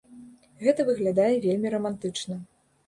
Гэта выглядае вельмі рамантычна.